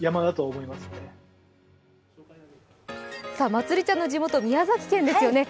まつりちゃんの地元、宮崎県ですよね。